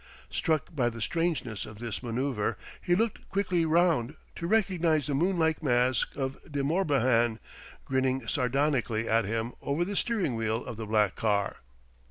Struck by the strangeness of this manoeuvre, he looked quickly round, to recognize the moon like mask of De Morbihan grinning sardonically at him over the steering wheel of the black car.